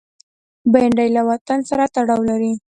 بېنډۍ له وطن سره تړاو لري